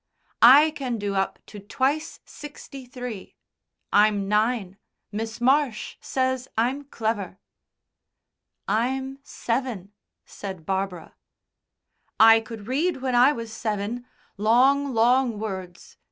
"I can do up to twice sixty three. I'm nine. Miss Marsh says I'm clever." "I'm seven," said Barbara. "I could read when I was seven long, long words.